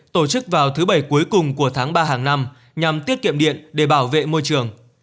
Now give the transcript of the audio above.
tổ chức vào thứ bảy cuối cùng của tháng ba hàng năm nhằm tiết kiệm điện để bảo vệ môi trường